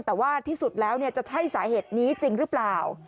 แต่ว่าที่สุดแล้วจะใช่สาเหตุนี้จริงหรือเปล่า